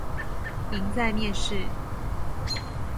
贏在面試